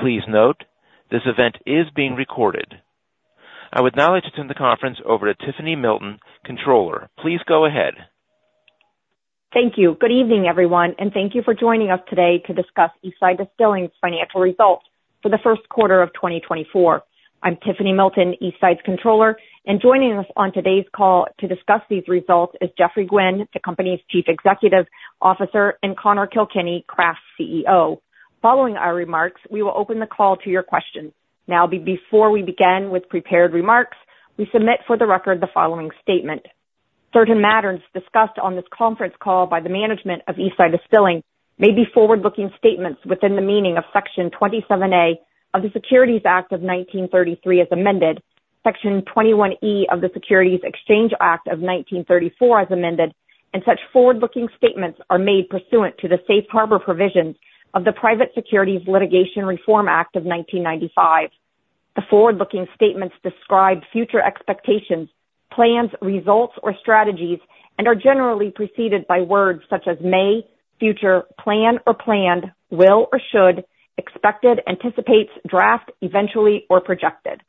Please note, this event is being recorded. I would now like to turn the conference over to Tiffany Milton, Controller. Please go ahead. Thank you. Good evening, everyone, and thank you for joining us today to discuss Eastside Distilling's financial results for the first quarter of 2024. I'm Tiffany Milton, Eastside's Controller, and joining us on today's call to discuss these results is Geoffrey Gwin, the company's Chief Executive Officer, and Conor Kilkenny, Craft CEO. Following our remarks, we will open the call to your questions. Now, before we begin with prepared remarks, we submit for the record the following statement: Certain matters discussed on this conference call by the management of Eastside Distilling may be forward-looking statements within the meaning of Section 27A of the Securities Act of 1933 as amended, Section 21E of the Securities Exchange Act of 1934 as amended, and such forward-looking statements are made pursuant to the Safe Harbor provisions of the Private Securities Litigation Reform Act of 1995. The forward-looking statements describe future expectations, plans, results, or strategies, and are generally preceded by words such as may, future, plan, or planned, will, or should, expected, anticipates, draft, eventually, or projected.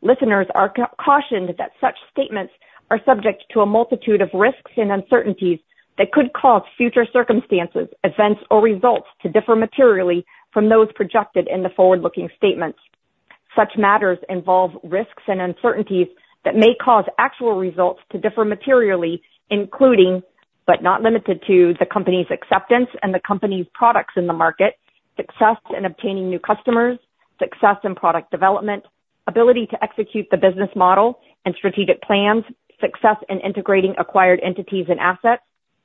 Listeners are cautioned that such statements are subject to a multitude of risks and uncertainties that could cause future circumstances, events, or results to differ materially from those projected in the forward-looking statements. Such matters involve risks and uncertainties that may cause actual results to differ materially, including but not limited to the company's acceptance and the company's products in the market, success in obtaining new customers, success in product development, ability to execute the business model and strategic plans, success in integrating acquired entities and assets,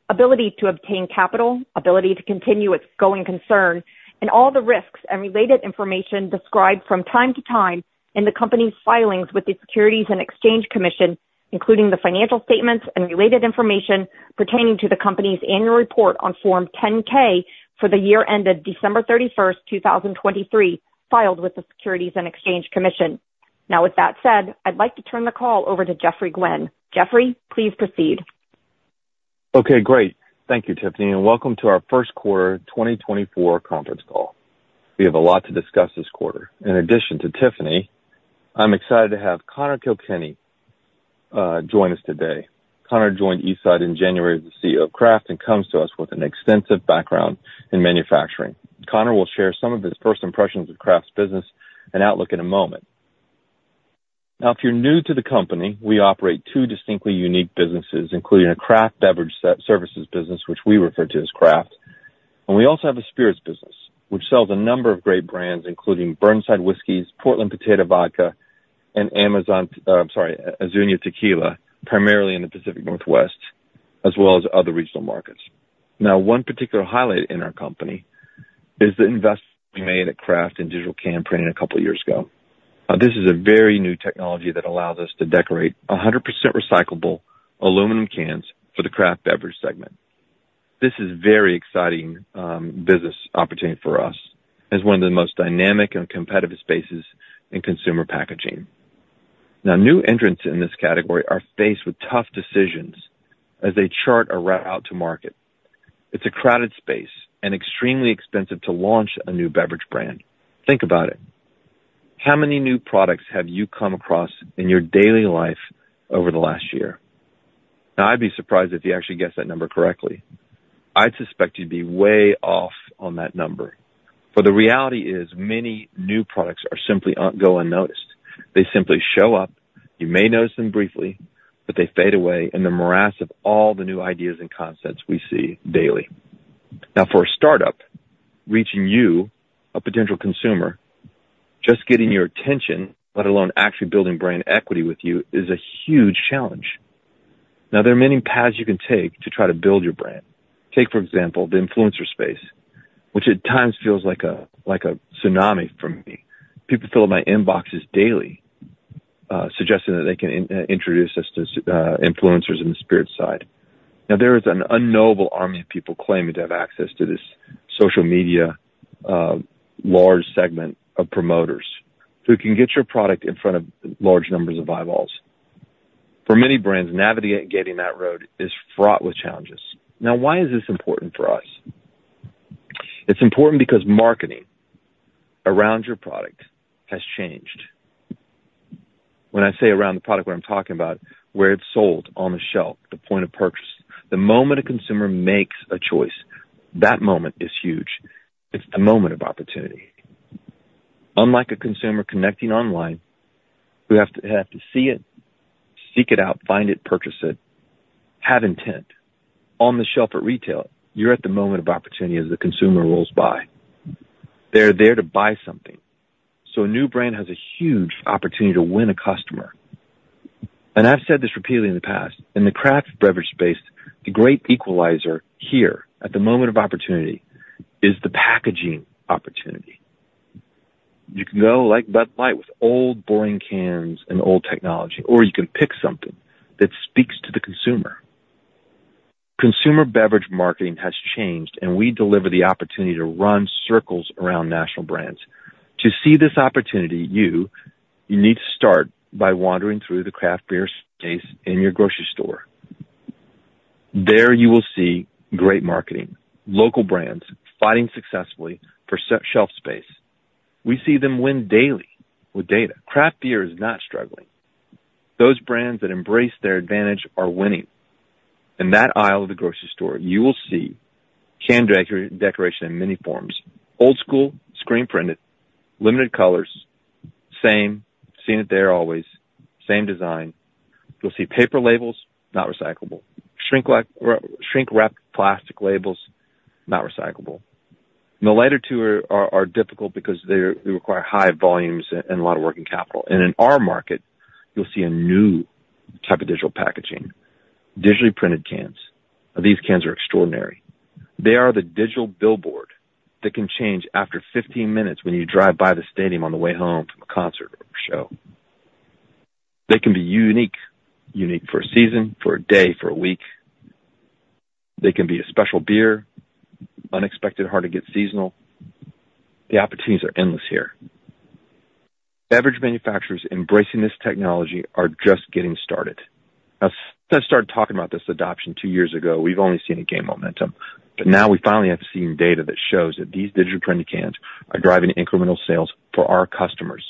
ability to obtain capital, ability to continue its going concern, and all the risks and related information described from time to time in the company's filings with the Securities and Exchange Commission, including the financial statements and related information pertaining to the company's annual report on Form 10-K for the year ended December 31st, 2023, filed with the Securities and Exchange Commission. Now, with that said, I'd like to turn the call over to Geoffrey Gwin. Geoffrey, please proceed. Okay, great. Thank you, Tiffany, and welcome to our First Quarter 2024 Conference Call. We have a lot to discuss this quarter. In addition to Tiffany, I'm excited to have Conor Kilkenny join us today. Conor joined Eastside in January as the CEO of Craft and comes to us with an extensive background in manufacturing. Conor will share some of his first impressions of Craft's business and outlook in a moment. Now, if you're new to the company, we operate two distinctly unique businesses, including a Craft Beverage Services business, which we refer to as Craft, and we also have a spirits business, which sells a number of great brands, including Burnside Whiskey, Portland Potato Vodka, and Amazon - I'm sorry - Azuñia Tequila, primarily in the Pacific Northwest, as well as other regional markets. Now, one particular highlight in our company is the investment we made at Craft in digital can printing a couple of years ago. This is a very new technology that allows us to decorate 100% recyclable aluminum cans for the Craft Beverage segment. This is a very exciting business opportunity for us and is one of the most dynamic and competitive spaces in consumer packaging. Now, new entrants in this category are faced with tough decisions as they chart a route to market. It's a crowded space and extremely expensive to launch a new beverage brand. Think about it. How many new products have you come across in your daily life over the last year? Now, I'd be surprised if you actually guess that number correctly. I'd suspect you'd be way off on that number. For the reality is, many new products simply don't go unnoticed. They simply show up. You may notice them briefly, but they fade away in the morass of all the new ideas and concepts we see daily. Now, for a startup reaching you, a potential consumer, just getting your attention, let alone actually building brand equity with you, is a huge challenge. Now, there are many paths you can take to try to build your brand. Take, for example, the influencer space, which at times feels like a tsunami for me. People fill up my inboxes daily, suggesting that they can introduce us to influencers in the spirits side. Now, there is an unknowable army of people claiming to have access to this social media large segment of promoters who can get your product in front of large numbers of eyeballs. For many brands, navigating that road is fraught with challenges. Now, why is this important for us? It's important because marketing around your product has changed. When I say around the product, what I'm talking about, where it's sold on the shelf, the point of purchase, the moment a consumer makes a choice, that moment is huge. It's the moment of opportunity. Unlike a consumer connecting online, who has to see it, seek it out, find it, purchase it, have intent, on the shelf at retail, you're at the moment of opportunity as the consumer rolls by. They're there to buy something. So a new brand has a huge opportunity to win a customer. And I've said this repeatedly in the past. In the craft beverage space, the great equalizer here at the moment of opportunity is the packaging opportunity. You can go like Bud Light with old, boring cans and old technology, or you can pick something that speaks to the consumer. Consumer beverage marketing has changed, and we deliver the opportunity to run circles around national brands. To see this opportunity, you need to start by wandering through the craft beer space in your grocery store. There you will see great marketing, local brands fighting successfully for shelf space. We see them win daily with data. Craft beer is not struggling. Those brands that embrace their advantage are winning. In that aisle of the grocery store, you will see can decoration in many forms: old-school, screen-printed, limited colors, same, seen it there always, same design. You'll see paper labels, not recyclable. Shrink-wrapped plastic labels, not recyclable. The latter two are difficult because they require high volumes and a lot of working capital. In our market, you'll see a new type of digital packaging: digitally printed cans. These cans are extraordinary. They are the digital billboard that can change after 15 minutes when you drive by the stadium on the way home from a concert or show. They can be unique, unique for a season, for a day, for a week. They can be a special beer, unexpected, hard-to-get, seasonal. The opportunities are endless here. Beverage manufacturers embracing this technology are just getting started. Now, since I started talking about this adoption two years ago, we've only seen a game momentum. But now we finally have seen data that shows that these digital-printed cans are driving incremental sales for our customers.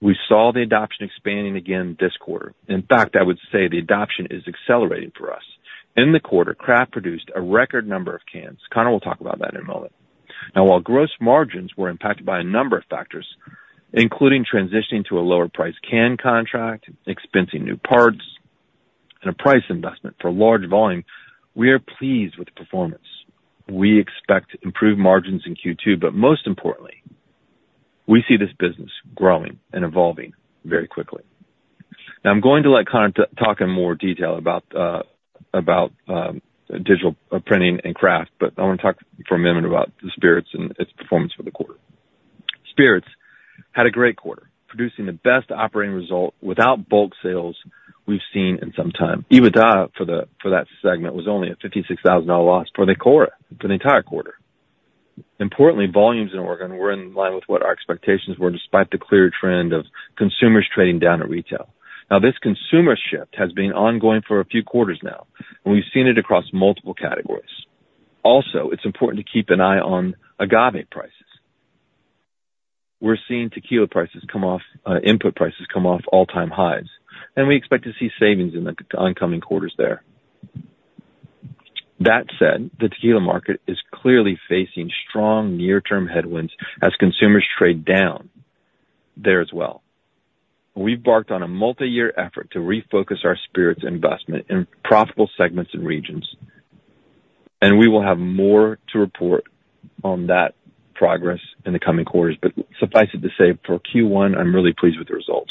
We saw the adoption expanding again this quarter. In fact, I would say the adoption is accelerating for us. In the quarter, Craft produced a record number of cans. Conor will talk about that in a moment. Now, while gross margins were impacted by a number of factors, including transitioning to a lower-priced can contract, expensing new parts, and a price investment for large volume, we are pleased with the performance. We expect improved margins in Q2, but most importantly, we see this business growing and evolving very quickly. Now, I'm going to let Conor talk in more detail about digital printing and Craft, but I want to talk for a minute about the spirits and its performance for the quarter. Spirits had a great quarter, producing the best operating result without bulk sales we've seen in some time. EBITDA for that segment was only a $56,000 loss for the entire quarter. Importantly, volumes in Oregon were in line with what our expectations were despite the clear trend of consumers trading down at retail. Now, this consumer shift has been ongoing for a few quarters now, and we've seen it across multiple categories. Also, it's important to keep an eye on agave prices. We're seeing input prices come off all-time highs, and we expect to see savings in the oncoming quarters there. That said, the tequila market is clearly facing strong near-term headwinds as consumers trade down there as well. We've embarked on a multi-year effort to refocus our spirits investment in profitable segments and regions, and we will have more to report on that progress in the coming quarters. But suffice it to say, for Q1, I'm really pleased with the results.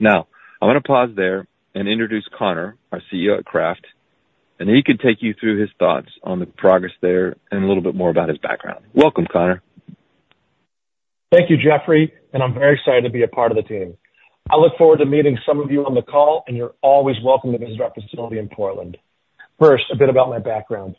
Now, I'm going to pause there and introduce Conor, our CEO at Craft, and he can take you through his thoughts on the progress there and a little bit more about his background. Welcome, Conor. Thank you, Geoffrey, and I'm very excited to be a part of the team. I look forward to meeting some of you on the call, and you're always welcome to visit our facility in Portland. First, a bit about my background.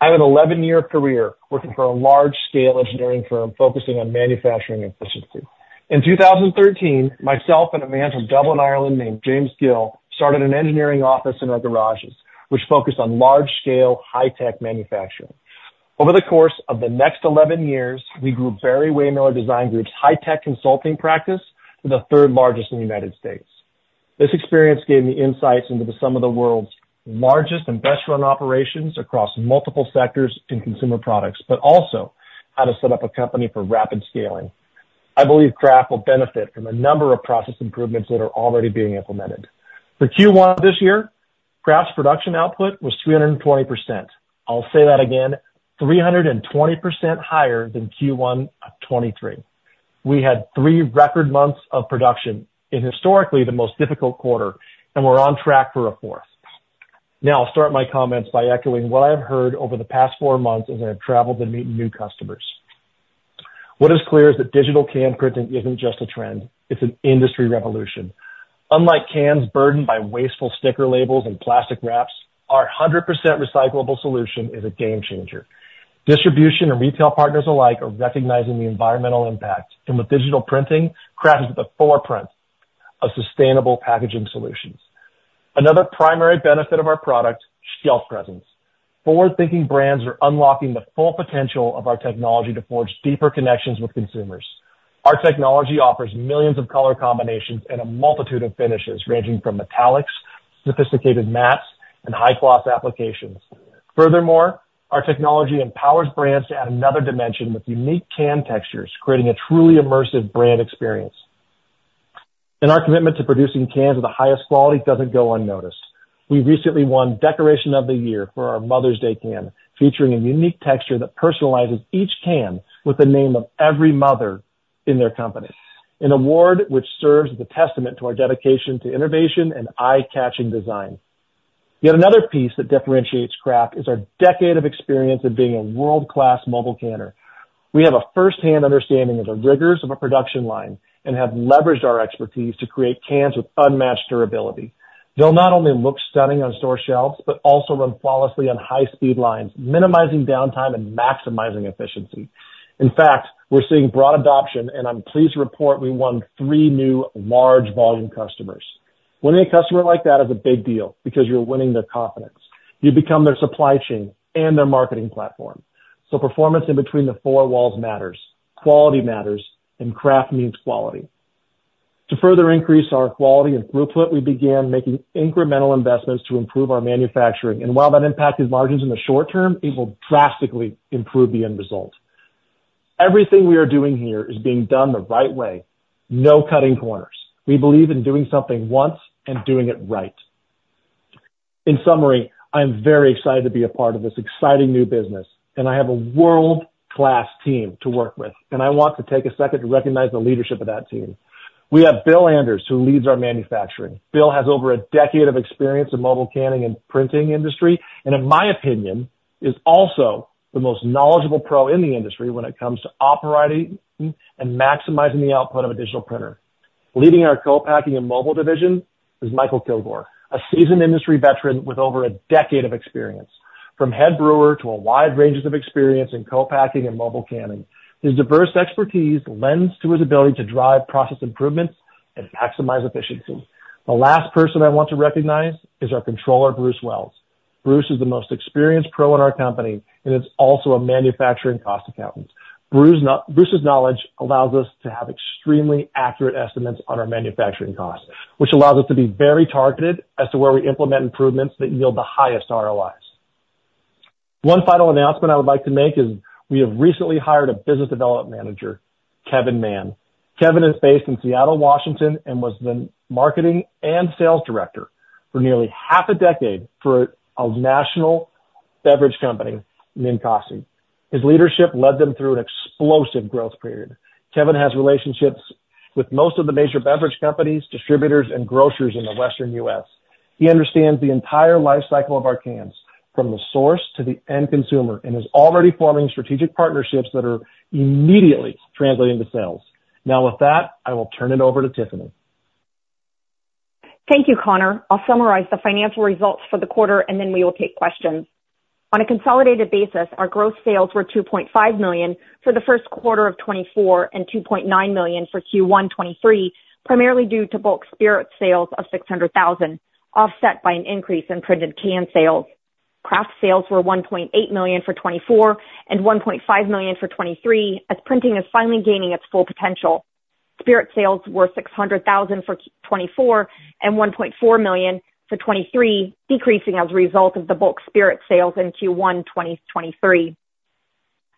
I have an 11-year career working for a large-scale engineering firm focusing on manufacturing efficiency. In 2013, myself and a man from Dublin, Ireland named James Gill started an engineering office in our garages, which focused on large-scale, high-tech manufacturing. Over the course of the next 11 years, we grew Barry-Wehmiller Design Group's high-tech consulting practice to the third-largest in the United States. This experience gave me insights into some of the world's largest and best-run operations across multiple sectors in consumer products, but also how to set up a company for rapid scaling. I believe Craft will benefit from a number of process improvements that are already being implemented. For Q1 of this year, Craft's production output was 320%. I'll say that again: 320% higher than Q1 of 2023. We had three record months of production in historically the most difficult quarter, and we're on track for a fourth. Now, I'll start my comments by echoing what I have heard over the past four months as I have traveled and meet new customers. What is clear is that digital can printing isn't just a trend; it's an industry revolution. Unlike cans burdened by wasteful sticker labels and plastic wraps, our 100% recyclable solution is a game-changer. Distribution and retail partners alike are recognizing the environmental impact, and with digital printing, Craft is at the forefront of sustainable packaging solutions. Another primary benefit of our product: shelf presence. Forward-thinking brands are unlocking the full potential of our technology to forge deeper connections with consumers. Our technology offers millions of color combinations and a multitude of finishes, ranging from metallics, sophisticated mattes, and high-gloss applications. Furthermore, our technology empowers brands to add another dimension with unique can textures, creating a truly immersive brand experience. Our commitment to producing cans of the highest quality doesn't go unnoticed. We recently won Decoration of the Year for our Mother's Day can, featuring a unique texture that personalizes each can with the name of every mother in their company, an award which serves as a testament to our dedication to innovation and eye-catching design. Yet another piece that differentiates Craft is our decade of experience in being a world-class mobile canner. We have a firsthand understanding of the rigors of a production line and have leveraged our expertise to create cans with unmatched durability. They'll not only look stunning on store shelves but also run flawlessly on high-speed lines, minimizing downtime and maximizing efficiency. In fact, we're seeing broad adoption, and I'm pleased to report we won three new large-volume customers. Winning a customer like that is a big deal because you're winning their confidence. You become their supply chain and their marketing platform. So performance in between the four walls matters. Quality matters, and Craft means quality. To further increase our quality and throughput, we began making incremental investments to improve our manufacturing. While that impacted margins in the short term, it will drastically improve the end result. Everything we are doing here is being done the right way, no cutting corners. We believe in doing something once and doing it right. In summary, I'm very excited to be a part of this exciting new business, and I have a world-class team to work with. I want to take a second to recognize the leadership of that team. We have Bill Anders, who leads our manufacturing. Bill has over a decade of experience in the mobile canning and printing industry and, in my opinion, is also the most knowledgeable pro in the industry when it comes to operating and maximizing the output of a digital printer. Leading our co-packing and mobile division is Michael Kilgore, a seasoned industry veteran with over a decade of experience, from head brewer to a wide range of experience in co-packing and mobile canning. His diverse expertise lends to his ability to drive process improvements and maximize efficiency. The last person I want to recognize is our controller, Bruce Wells. Bruce is the most experienced pro in our company, and he's also a manufacturing cost accountant. Bruce's knowledge allows us to have extremely accurate estimates on our manufacturing costs, which allows us to be very targeted as to where we implement improvements that yield the highest ROIs. One final announcement I would like to make is we have recently hired a business development manager, Keven Mann. Keven is based in Seattle, Washington, and was the Marketing and Sales Director for nearly half a decade for a national beverage company, Ninkasi. His leadership led them through an explosive growth period. Kevin has relationships with most of the major beverage companies, distributors, and grocers in the Western U.S. He understands the entire lifecycle of our cans, from the source to the end consumer, and is already forming strategic partnerships that are immediately translating to sales. Now, with that, I will turn it over to Tiffany. Thank you, Conor. I'll summarize the financial results for the quarter, and then we will take questions. On a consolidated basis, our gross sales were $2.5 million for the first quarter of 2024 and $2.9 million for Q1 2023, primarily due to bulk spirit sales of $600,000, offset by an increase in printed can sales. Craft sales were $1.8 million for 2024 and $1.5 million for 2023 as printing is finally gaining its full potential. Spirit sales were $600,000 for 2024 and $1.4 million for 2023, decreasing as a result of the bulk spirit sales in Q1 2023.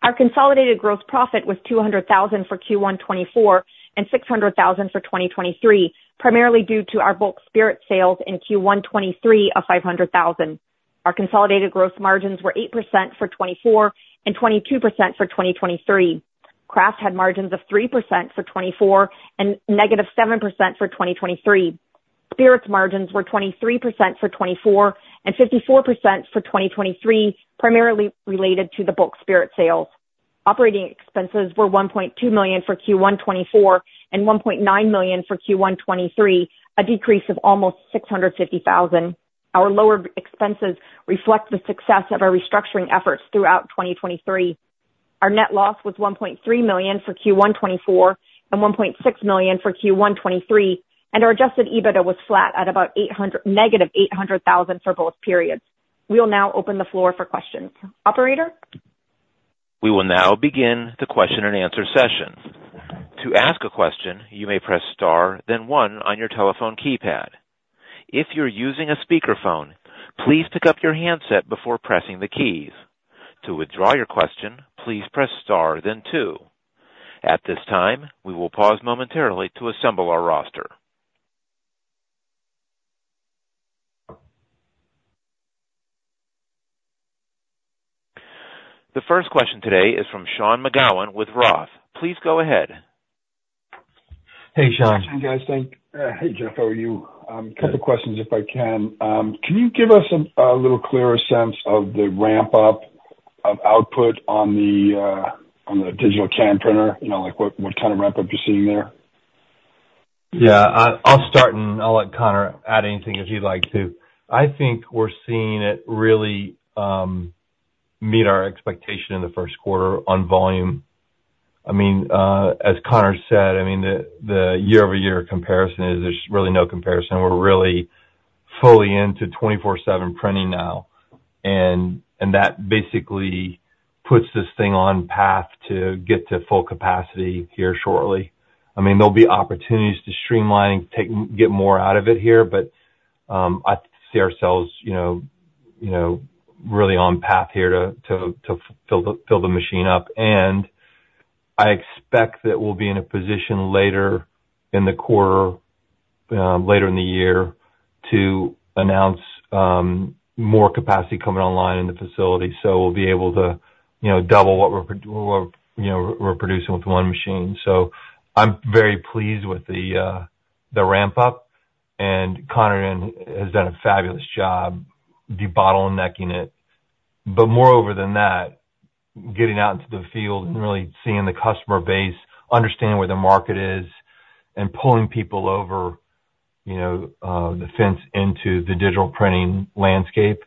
Our consolidated gross profit was $200,000 for Q1 2024 and $600,000 for 2023, primarily due to our bulk spirit sales in Q1 2023 of $500,000. Our consolidated gross margins were 8% for 2024 and 22% for 2023. Craft had margins of 3% for 2024 and -7% for 2023. Spirits margins were 23% for 2024 and 54% for 2023, primarily related to the bulk spirit sales. Operating expenses were $1.2 million for Q1 2024 and $1.9 million for Q1 2023, a decrease of almost $650,000. Our lower expenses reflect the success of our restructuring efforts throughout 2023. Our net loss was $1.3 million for Q1 2024 and $1.6 million for Q1 2023, and our Adjusted EBITDA was flat at about -$800,000 for both periods. We will now open the floor for questions. Operator? We will now begin the question-and-answer session. To ask a question, you may press star then one on your telephone keypad. If you're using a speakerphone, please pick up your handset before pressing the keys. To withdraw your question, please press star then two. At this time, we will pause momentarily to assemble our roster. The first question today is from Sean McGowan with Roth. Please go ahead. Hey, Sean. Hey Guys, thanks. Hey, Geoffrey, how are you? A couple of questions, if I can. Can you give us a little clearer sense of the ramp-up of output on the digital can printer? What kind of ramp-up you're seeing there? Yeah. I'll start, and I'll let Conor add anything if he'd like to. I think we're seeing it really meet our expectation in the first quarter on volume. I mean, as Conor said, I mean, the year-over-year comparison is there's really no comparison. We're really fully into 24/7 printing now, and that basically puts this thing on path to get to full capacity here shortly. I mean, there'll be opportunities to streamline and get more out of it here, but I see ourselves really on path here to fill the machine up. And I expect that we'll be in a position later in the quarter, later in the year, to announce more capacity coming online in the facility. So we'll be able to double what we're producing with one machine. So I'm very pleased with the ramp-up, and Conor has done a fabulous job debottlenecking it. But more than that, getting out into the field and really seeing the customer base, understanding where the market is, and pulling people over the fence into the digital printing landscape,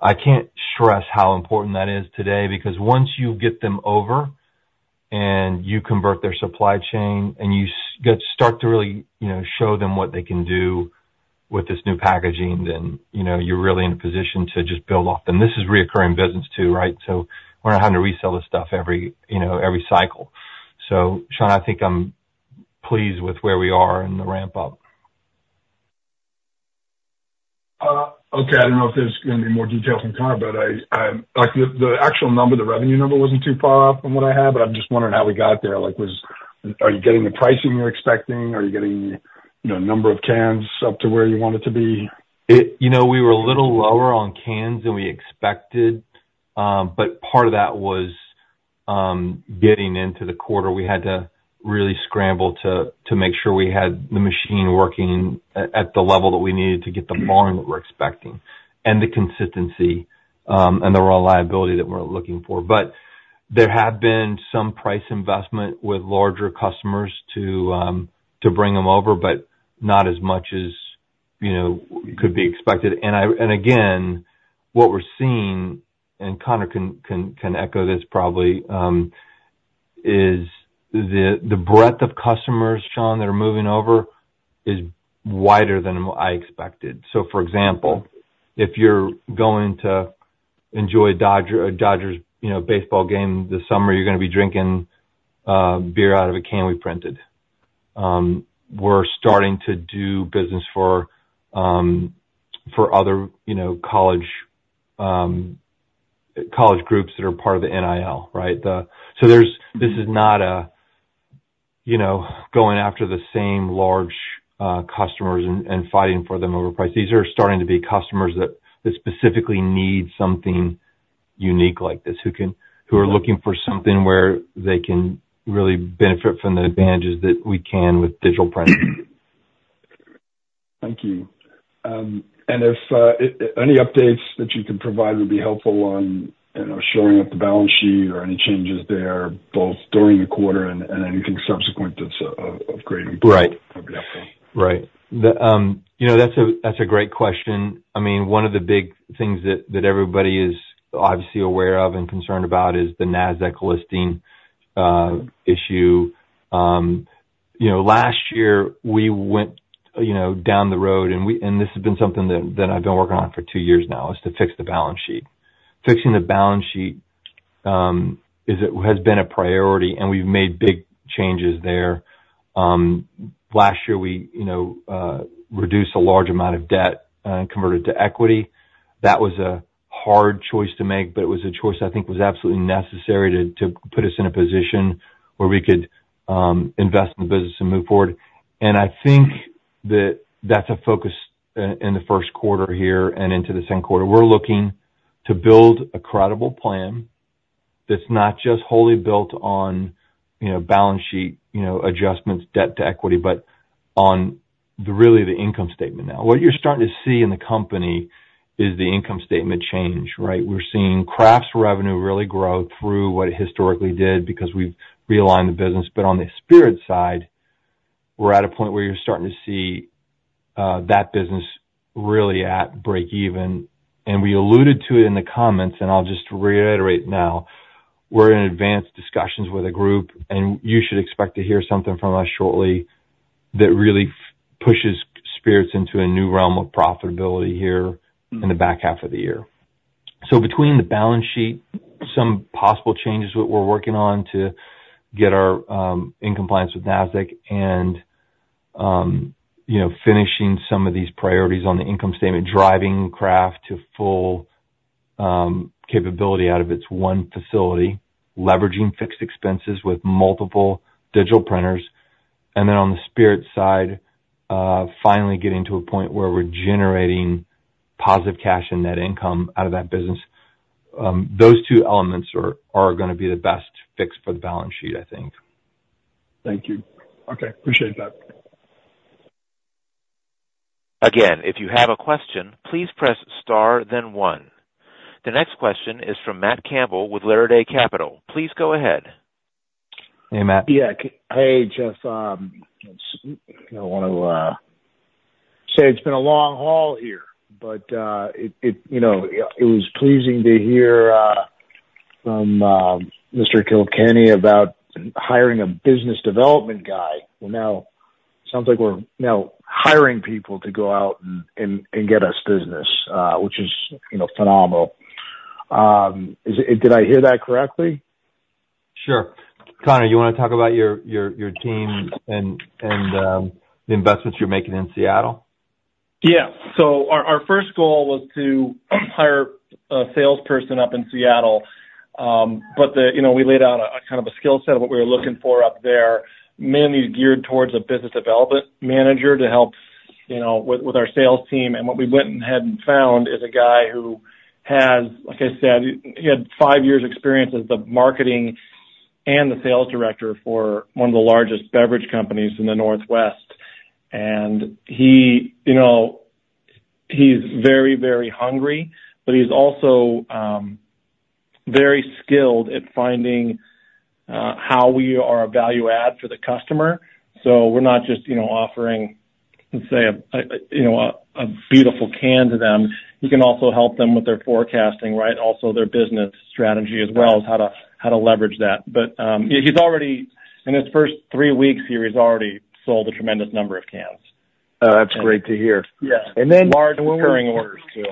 I can't stress how important that is today because once you get them over and you convert their supply chain and you start to really show them what they can do with this new packaging, then you're really in a position to just build off. And this is recurring business too, right? So, Sean, I think I'm pleased with where we are in the ramp-up. Okay. I don't know if there's going to be more details from Conor, but the actual number, the revenue number, wasn't too far off from what I had, but I'm just wondering how we got there. Are you getting the pricing you're expecting? Are you getting the number of cans up to where you want it to be? We were a little lower on cans than we expected, but part of that was getting into the quarter. We had to really scramble to make sure we had the machine working at the level that we needed to get the volume that we're expecting and the consistency and the reliability that we're looking for. But there have been some price investment with larger customers to bring them over, but not as much as could be expected. And again, what we're seeing, and Conor can echo this probably, is the breadth of customers, Sean, that are moving over is wider than I expected. So, for example, if you're going to enjoy a Dodgers baseball game this summer, you're going to be drinking beer out of a can we printed. We're starting to do business for other college groups that are part of the NIL, right? This is not going after the same large customers and fighting for them over price. These are starting to be customers that specifically need something unique like this, who are looking for something where they can really benefit from the advantages that we can with digital printing. Thank you. And if any updates that you can provide would be helpful on showing up the balance sheet or any changes there, both during the quarter and anything subsequent that's of great importance, that would be helpful. Right. Right. That's a great question. I mean, one of the big things that everybody is obviously aware of and concerned about is the NASDAQ listing issue. Last year, we went down the road - and this has been something that I've been working on for two years now - is to fix the balance sheet. Fixing the balance sheet has been a priority, and we've made big changes there. Last year, we reduced a large amount of debt and converted to equity. That was a hard choice to make, but it was a choice I think was absolutely necessary to put us in a position where we could invest in the business and move forward. And I think that that's a focus in the first quarter here and into the second quarter. We're looking to build a credible plan that's not just wholly built on balance sheet adjustments, debt-to-equity, but on really the income statement now. What you're starting to see in the company is the income statement change, right? We're seeing Craft's revenue really grow through what it historically did because we've realigned the business. But on the spirit side, we're at a point where you're starting to see that business really at break-even. And we alluded to it in the comments, and I'll just reiterate now. We're in advanced discussions with a group, and you should expect to hear something from us shortly that really pushes spirits into a new realm of profitability here in the back half of the year. So between the balance sheet, some possible changes that we're working on to get our in compliance with NASDAQ, and finishing some of these priorities on the income statement, driving Craft to full capability out of its one facility, leveraging fixed expenses with multiple digital printers. And then on the spirit side, finally getting to a point where we're generating positive cash and net income out of that business. Those two elements are going to be the best fix for the balance sheet, I think. Thank you. Okay. Appreciate that. Again, if you have a question, please press star then one. The next question is from Matt Campbell with Laridae Capital. Please go ahead. Hey, Matt. Yeah. Hey, Geoff. I want to say it's been a long haul here, but it was pleasing to hear from Mr. Kilkenny about hiring a business development guy. Well, now it sounds like we're now hiring people to go out and get us business, which is phenomenal. Did I hear that correctly? Sure. Conor, you want to talk about your team and the investments you're making in Seattle? Yeah. So our first goal was to hire a salesperson up in Seattle, but we laid out kind of a skill set of what we were looking for up there, mainly geared towards a business development manager to help with our sales team. And what we went ahead and found is a guy who has, like I said, he had 5 years' experience as the marketing and the sales director for one of the largest beverage companies in the Northwest. And he's very, very hungry, but he's also very skilled at finding how we are a value add for the customer. So we're not just offering, let's say, a beautiful can to them. You can also help them with their forecasting, right? Also their business strategy as well as how to leverage that. But he's already, in his first three weeks here, he's already sold a tremendous number of cans. Oh, that's great to hear. And then. Large recurring orders too.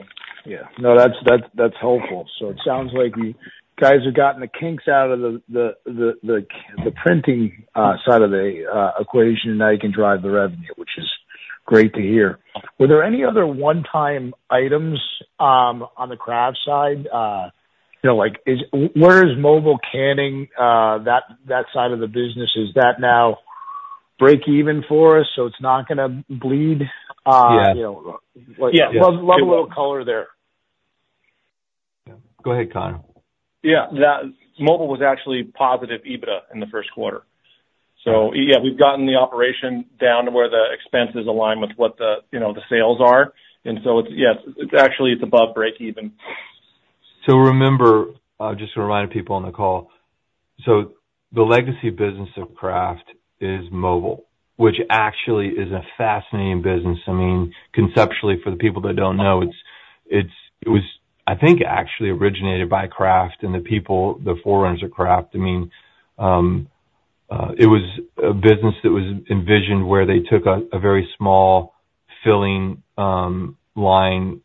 Yeah. No, that's helpful. So it sounds like the guys have gotten the kinks out of the printing side of the equation, and now you can drive the revenue, which is great to hear. Were there any other one-time items on the Craft side? Where is mobile canning, that side of the business? Is that now break-even for us so it's not going to bleed? Love a little color there. Yeah. Go ahead, Connor. Yeah. Mobile was actually positive EBITDA in the first quarter. So yeah, we've gotten the operation down to where the expenses align with what the sales are. And so yeah, actually, it's above break-even. So remember, I'm just going to remind people on the call. So the legacy business of Craft is mobile, which actually is a fascinating business. I mean, conceptually, for the people that don't know, it was, I think, actually originated by Craft and the forerunners of Craft. I mean, it was a business that was envisioned where they took a very small filling line,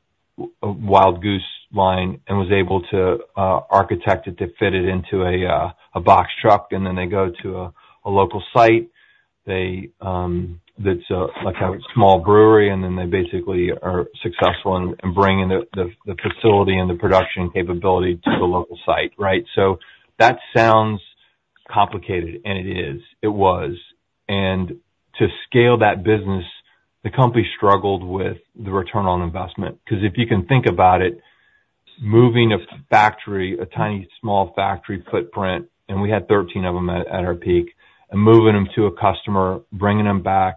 a Wild Goose line, and was able to architect it to fit it into a box truck. And then they go to a local site that's like a small brewery, and then they basically are successful in bringing the facility and the production capability to the local site, right? So that sounds complicated, and it is. It was. To scale that business, the company struggled with the return on investment because if you can think about it, moving a factory, a tiny small factory footprint - and we had 13 of them at our peak - and moving them to a customer, bringing them back,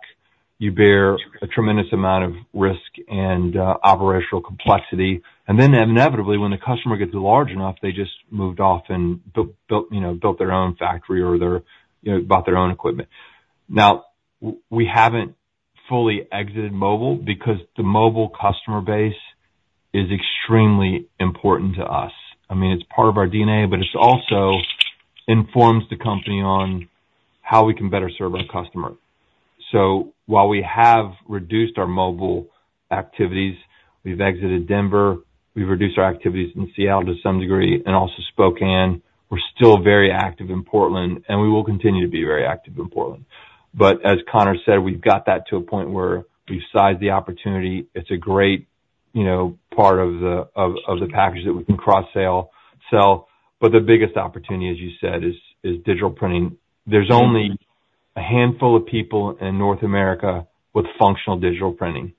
you bear a tremendous amount of risk and operational complexity. Then inevitably, when the customer gets large enough, they just moved off and built their own factory or bought their own equipment. Now, we haven't fully exited mobile because the mobile customer base is extremely important to us. I mean, it's part of our DNA, but it also informs the company on how we can better serve our customer. So while we have reduced our mobile activities, we've exited Denver. We've reduced our activities in Seattle to some degree and also Spokane. We're still very active in Portland, and we will continue to be very active in Portland. But as Conor said, we've got that to a point where we've sized the opportunity. It's a great part of the package that we can cross-sell. But the biggest opportunity, as you said, is digital printing. There's only a handful of people in North America with functional digital printing.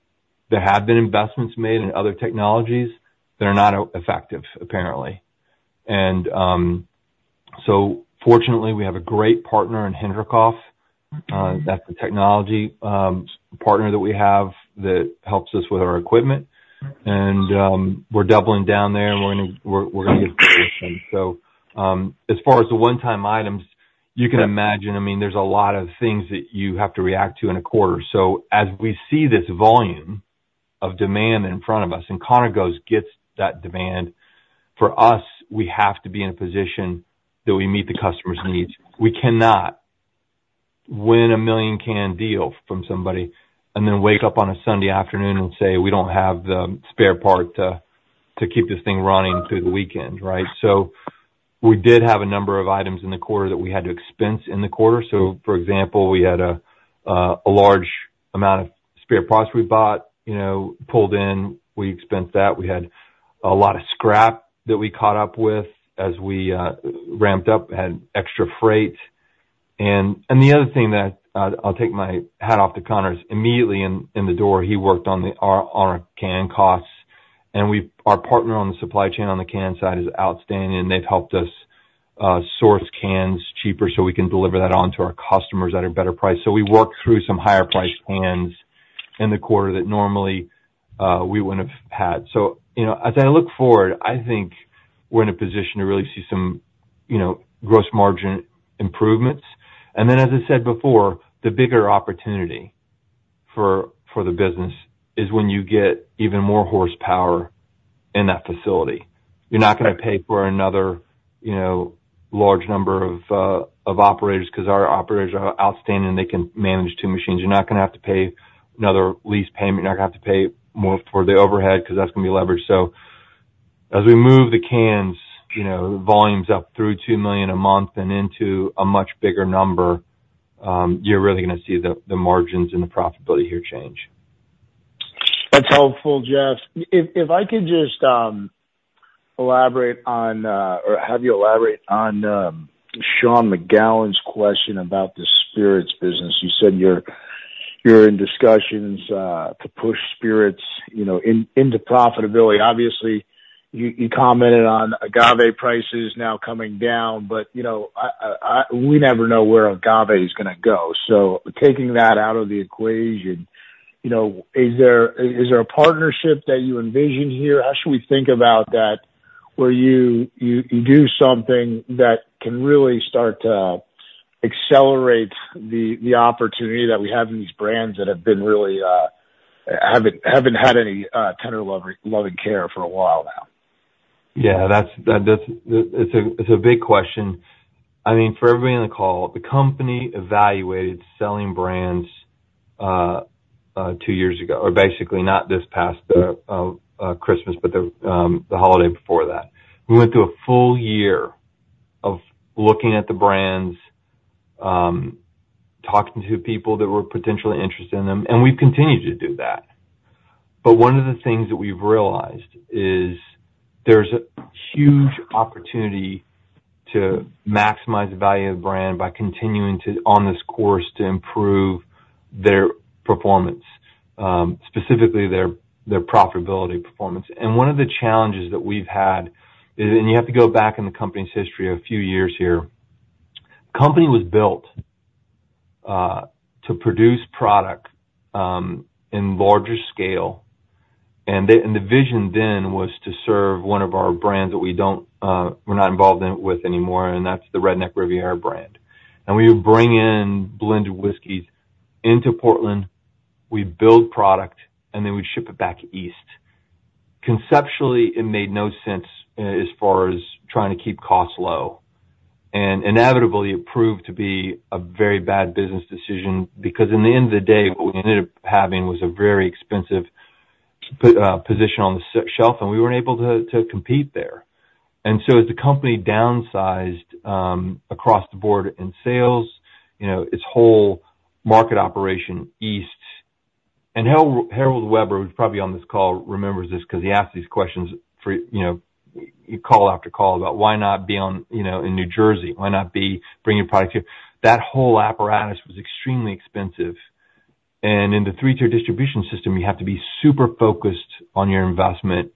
There have been investments made in other technologies that are not effective, apparently. And so fortunately, we have a great partner in Hinterkopf. That's the technology partner that we have that helps us with our equipment. And we're doubling down there, and we're going to get good with them. So as far as the one-time items, you can imagine, I mean, there's a lot of things that you have to react to in a quarter. So as we see this volume of demand in front of us, and Conor goes, "Gets that demand," for us, we have to be in a position that we meet the customer's needs. We cannot win a million-can deal from somebody and then wake up on a Sunday afternoon and say, "We don't have the spare part to keep this thing running through the weekend," right? So we did have a number of items in the quarter that we had to expense in the quarter. So for example, we had a large amount of spare parts we bought, pulled in. We expensed that. We had a lot of scrap that we caught up with as we ramped up, had extra freight. And the other thing that I'll take my hat off to Conor's. Immediately in the door, he worked on our can costs. And our partner on the supply chain on the can side is outstanding, and they've helped us source cans cheaper so we can deliver that onto our customers at a better price. So we worked through some higher-priced cans in the quarter that normally we wouldn't have had. So as I look forward, I think we're in a position to really see some gross margin improvements. And then, as I said before, the bigger opportunity for the business is when you get even more horsepower in that facility. You're not going to pay for another large number of operators because our operators are outstanding. They can manage two machines. You're not going to have to pay another lease payment. You're not going to have to pay more for the overhead because that's going to be leveraged. As we move the cans volumes up through 2 million a month and into a much bigger number, you're really going to see the margins and the profitability here change. That's helpful, Geoff. If I could just elaborate on or have you elaborate on Sean McGowan's question about the spirits business. You said you're in discussions to push spirits into profitability. Obviously, you commented on agave prices now coming down, but we never know where agave is going to go. So taking that out of the equation, is there a partnership that you envision here? How should we think about that where you do something that can really start to accelerate the opportunity that we have in these brands that have been really haven't had any tender-loving care for a while now? Yeah. It's a big question. I mean, for everybody on the call, the company evaluated selling brands two years ago or basically not this past Christmas, but the holiday before that. We went through a full year of looking at the brands, talking to people that were potentially interested in them, and we've continued to do that. But one of the things that we've realized is there's a huge opportunity to maximize the value of the brand by continuing on this course to improve their performance, specifically their profitability performance. And one of the challenges that we've had is and you have to go back in the company's history a few years here. The company was built to produce product in larger scale. And the vision then was to serve one of our brands that we're not involved with anymore, and that's the Redneck Riviera brand. We would bring in blended whiskeys into Portland. We'd build product, and then we'd ship it back east. Conceptually, it made no sense as far as trying to keep costs low. Inevitably, it proved to be a very bad business decision because in the end of the day, what we ended up having was a very expensive position on the shelf, and we weren't able to compete there. So as the company downsized across the board in sales, its whole market operation east, and Harold Weber, who's probably on this call, remembers this because he asked these questions call after call about, "Why not be in New Jersey? Why not bring your product here?" That whole apparatus was extremely expensive. In the three-tier distribution system, you have to be super focused on your investment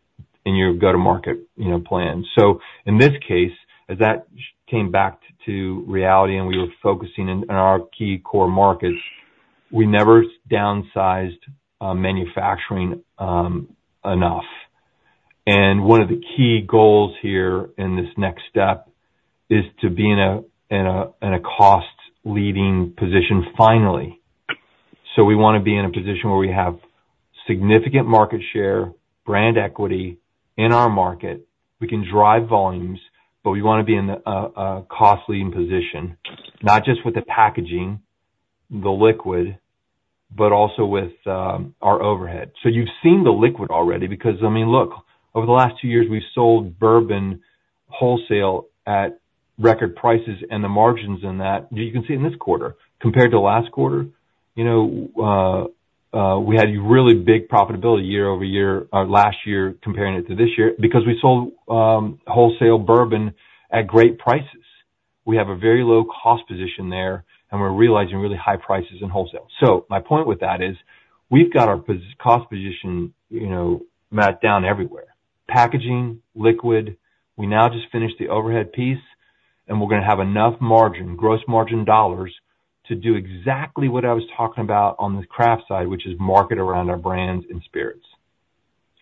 and your go-to-market plan. So in this case, as that came back to reality and we were focusing on our key core markets, we never downsized manufacturing enough. One of the key goals here in this next step is to be in a cost-leading position finally. So we want to be in a position where we have significant market share, brand equity in our market. We can drive volumes, but we want to be in a cost-leading position, not just with the packaging, the liquid, but also with our overhead. So you've seen the liquid already because, I mean, look, over the last two years, we've sold bourbon wholesale at record prices, and the margins in that, you can see in this quarter. Compared to last quarter, we had really big profitability year-over-year last year comparing it to this year because we sold wholesale bourbon at great prices. We have a very low cost position there, and we're realizing really high prices in wholesale. So my point with that is we've got our cost position, Matt, down everywhere. Packaging, liquid. We now just finished the overhead piece, and we're going to have enough margin, gross margin dollars, to do exactly what I was talking about on the Craft side, which is market around our brands and spirits.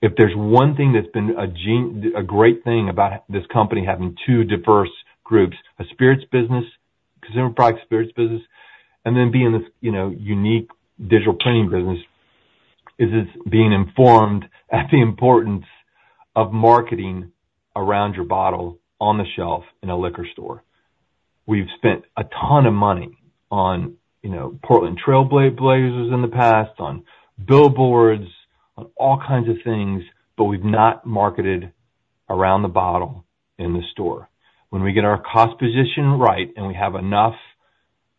If there's one thing that's been a great thing about this company having two diverse groups, a spirits business, consumer product spirits business, and then being this unique digital printing business, is it's being informed at the importance of marketing around your bottle on the shelf in a liquor store. We've spent a ton of money on Portland Trail Blazers in the past, on billboards, on all kinds of things, but we've not marketed around the bottle in the store. When we get our cost position right and we have enough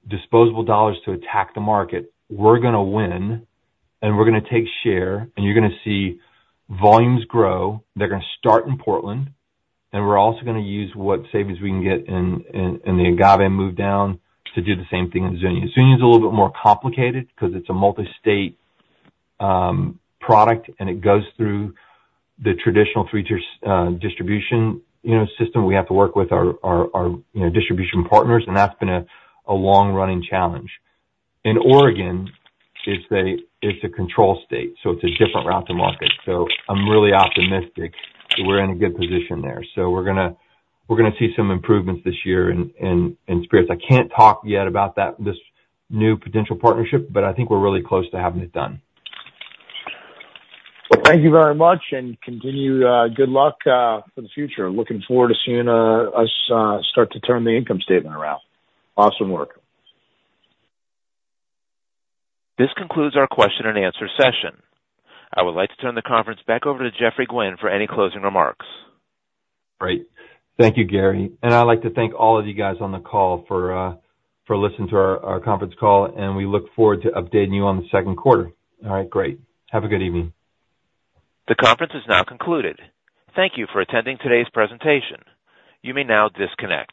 disposable dollars to attack the market, we're going to win, and we're going to take share, and you're going to see volumes grow. They're going to start in Portland. We're also going to use what savings we can get in the agave and move down to do the same thing in Azuñia. Azuñia is a little bit more complicated because it's a multi-state product, and it goes through the traditional three-tier distribution system. We have to work with our distribution partners, and that's been a long-running challenge. In Oregon, it's a control state, so it's a different route to market. I'm really optimistic that we're in a good position there. We're going to see some improvements this year in spirits. I can't talk yet about this new potential partnership, but I think we're really close to having it done. Well, thank you very much, and good luck for the future. Looking forward to seeing us start to turn the income statement around. Awesome work. This concludes our question-and-answer session. I would like to turn the conference back over to Geoffrey Gwin for any closing remarks. Great. Thank you, Gary. I'd like to thank all of you guys on the call for listening to our conference call, and we look forward to updating you on the second quarter. All right. Great. Have a good evening. The conference is now concluded. Thank you for attending today's presentation. You may now disconnect.